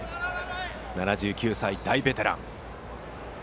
７９歳、大ベテラン。